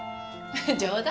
冗談。